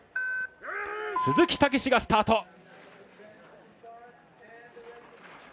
鈴木猛史がスタート。